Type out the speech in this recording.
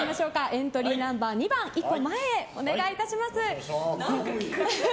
エントリーナンバー２番１歩前へお願いします。